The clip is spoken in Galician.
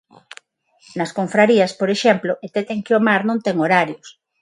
Nas confrarías, por exemplo, entenden que o mar non ten horarios.